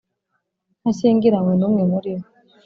Ntashyingiranywe numwe muri bo .